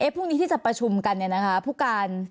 พรุ่งนี้ที่จะประชุมกันเนี้ยนะคะ